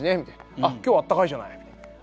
「あっ今日は温かいじゃない」みたいな。